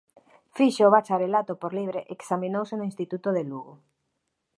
Fixo o bacharelato por libre e examinouse no Instituto de Lugo.